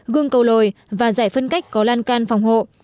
gương cầu lồi và giải phân cách có lan can phòng hộ